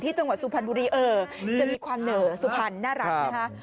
จังหวัดสุพรรณบุรีเออจะมีความเหน่อสุพรรณน่ารักนะคะ